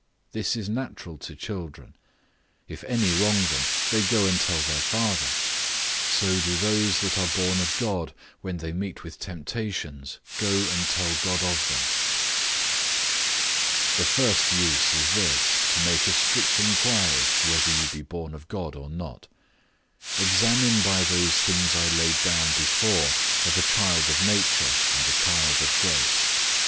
This is natural to children; if any wrong them, they go and tell their father; so do those that are born of God, when they meet with temptations, go and tell God of them. The first use is this, to make a strict inquiry whether you be born of God or not. Examine by those things I laid down before of a child of nature and a child of grace.